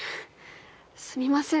すみません